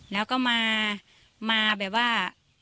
แล้วก็มาแบบว่า